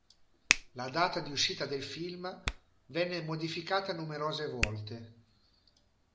La data di uscita del film venne modificata numerose volte.